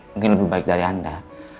mungkin lebih baik dari anda